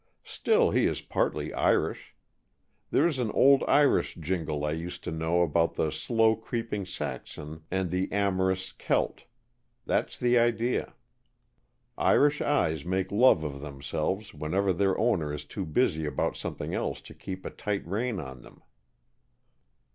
Still, he is partly Irish. There's an old Irish jingle I used to know about the slow creeping Saxon and the amorous Celt, that's the idea. Irish eyes make love of themselves, whenever their owner is too busy about something else to keep a tight rein on them."